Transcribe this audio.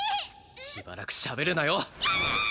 しばらくしゃべるなよぎゃあ！